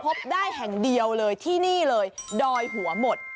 พบได้แห่งเดียวเลยที่นี่เลยดอยหัวหมด